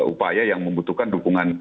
upaya yang membutuhkan dukungan